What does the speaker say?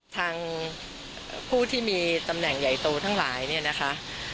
ทางผู้ที่มีตำแหน่งใหญ่โตทั้งหลายเนี่ยนะคะ